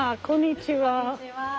こんにちは。